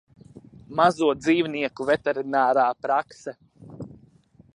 Mazo dzīvnieku veterinārā prakse